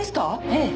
ええ。